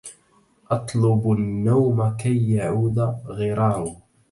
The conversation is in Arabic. أطلب النوم كي يعود غراره